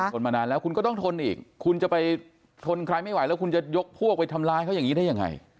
ทนมานานแล้วคุณก็ต้องทนอีกคุณจะไปทนใครไม่ไหวแล้วคุณจะยกพวกไปทำร้ายเขาอย่างนี้ได้ยังไง